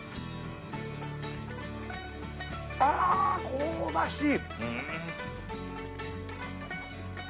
香ばしい。